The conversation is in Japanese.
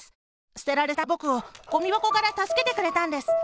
すてられたぼくをゴミばこからたすけてくれたんです。